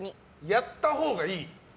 やったほうがいい。